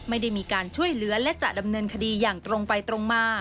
ไม่ได้มีการช่วยเหลือและจะดำเนินคดีอย่างตรงไปตรงมา